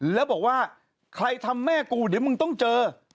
แล้วบอกว่าใครทำแม่กูเดี๋ยวมึงต้องเจอ